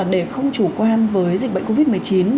để không chủ quan với dịch bệnh covid một mươi chín